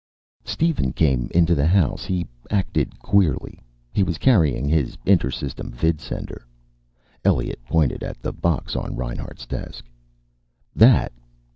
"Steven came into the house. He acted queerly. He was carrying his inter system vidsender." Elliot pointed at the box on Reinhart's desk. "That.